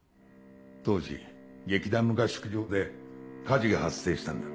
当時劇団の合宿所で火事が発生したんだ。